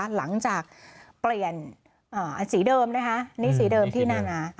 หลังจากเปลี่ยนสีเดิมนะคะนี่สีเดิมที่นานา